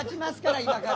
今から！